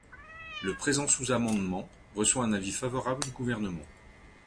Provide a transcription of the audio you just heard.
Le présent sous-amendement reçoit un avis favorable du Gouvernement.